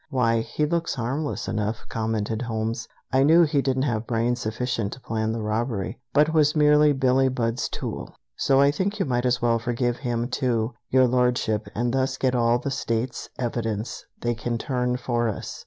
"Why, he looks harmless enough," commented Holmes; "I knew he didn't have brains sufficient to plan the robbery, but was merely Billie Budd's tool. So I think you might as well forgive him, too, Your Lordship, and thus get all the states' evidence they can turn for us.